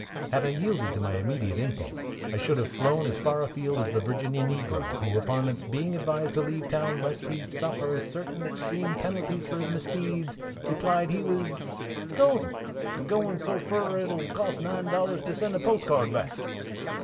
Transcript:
Had I yielded to my immediate impulse, I should have flown as far afield as the Virginia negro who, upon being advised to leave town lest he suffer certain extreme penalties for his misdeeds, replied that he was "gwine, an' gwine so fur it'll cost nine dollars to send a postal card back."